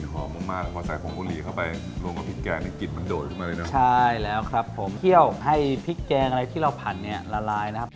ให้พริกแกงอะไรที่เราผันละลายนะครับ